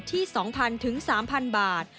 ที่๒๐๐๐๓๐๐๐บาท